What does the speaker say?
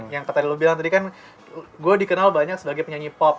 yang tadi lo bilang tadi kan gue dikenal banyak sebagai penyanyi pop